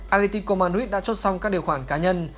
atletico madrid đã chốt xong các điều khoản cá nhân